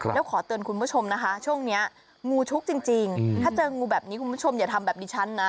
แล้วขอเตือนคุณผู้ชมนะคะช่วงนี้งูชุกจริงถ้าเจองูแบบนี้คุณผู้ชมอย่าทำแบบนี้ฉันนะ